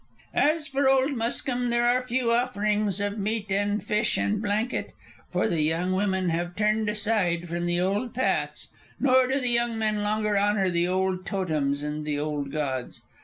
As for old Muskim, there are few offerings of meat and fish and blanket. For the young women have turned aside from the old paths, nor do the young men longer honor the old totems and the old gods.